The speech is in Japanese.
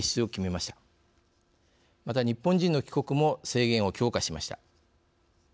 また、日本人の帰国も制限を強化しました。